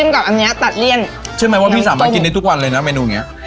กับอันเนี้ยตัดเลี่ยนใช่ไหมว่าพี่สามารถกินได้ทุกวันเลยนะเมนูเนี้ย